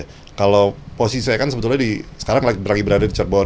kira kira dari pihak keluarga akan bertemu kapan dan apa langkah selanjutnya yang akan dibahas